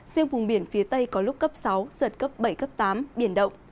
riêng vùng biển phía tây có lúc cấp sáu giật cấp bảy cấp tám biển động